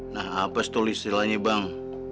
nah apa istilahnya bang